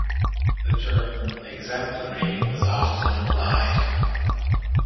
The term "exemplary" was often applied.